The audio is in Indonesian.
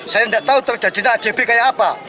saya nggak tahu terjadinya ajb kayak apa